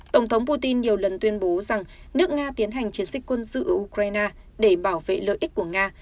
tổng thống putin nhiều lần tuyên bố rằng nước nga tiến hành chiến dịch quân sự ở ukraine để bảo vệ lợi ích của nga